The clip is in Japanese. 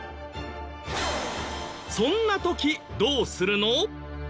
そんな時どうするの？